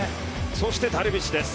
そしてダルビッシュ。